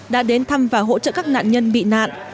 đã đến thăm và hỗ trợ các nạn nhân bị nạn